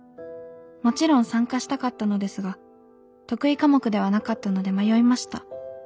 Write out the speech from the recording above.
もちろん参加したかったのですが得意科目ではなかったので迷いました。